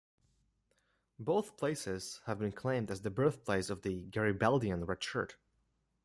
Both places have been claimed as the birthplace of the Garibaldian red shirt.